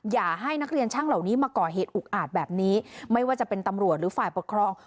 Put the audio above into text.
อย่าให้นักเรียนช่างเหล่านี้มาก่อเหตุอุกอาจแบบนี้ไม่ว่าจะเป็นตำรวจหรือฝ่ายปกครอง